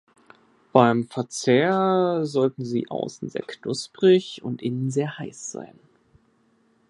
Beim Verzehr sollten sie außen sehr knusprig und innen sehr heiß sein.